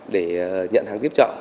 để nhận hàng tiếp trợ